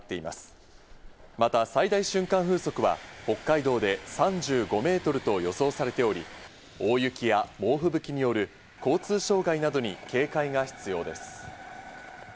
また最大瞬間風速は、北海道で３５メートルと予想されており、大雪や猛ふぶきによる交通障害などに警戒が必要です。